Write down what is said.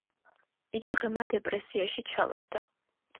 იგი ღრმა დეპრესიაში ჩავარდა.